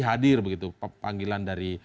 hadir begitu pemanggilan dari